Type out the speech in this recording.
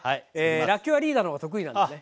らっきょうはリーダーの方が得意なんでね。